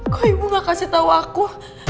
kok ibu gak kasih tahu aku